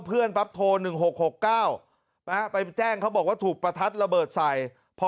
ปั๊บโทร๑๖๖๙ไปแจ้งเขาบอกว่าถูกประทัดระเบิดใส่